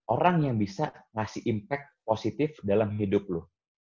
orang yang bisa ngasih impact positif dalam hidup lo